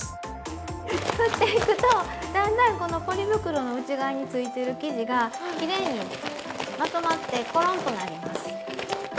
ふっていくとだんだんこのポリ袋の内側についてる生地がきれいにまとまってコロンとなります。